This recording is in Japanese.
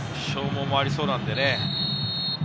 消耗もありそうなんでね。